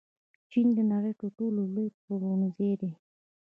چین د نړۍ تر ټولو لوی پلورنځی دی.